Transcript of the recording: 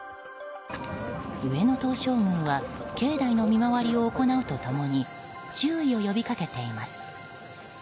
上野東照宮は境内の見回りを行うと共に注意を呼び掛けています。